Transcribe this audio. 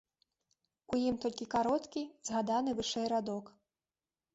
У ім толькі кароткі згаданы вышэй радок.